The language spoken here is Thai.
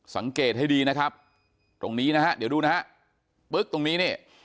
สังเกตให้ดีนะครับตรงนี้นะฮะเดี๋ยวดูนะฮะปึ๊กตรงนี้นี่